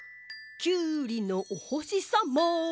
きゅうりのおほしさま。